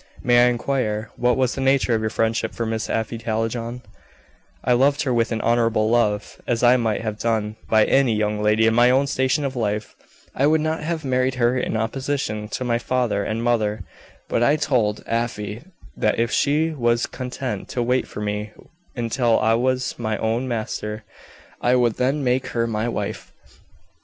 "May I inquire what was the nature of your friendship for Miss Afy Hallijohn?" "I loved her with an honorable love, as I might have done by any young lady in my own station of life. I would not have married her in opposition to my father and mother; but I told Afy that if she was content to wait for me until I was my own master I would then make her my wife."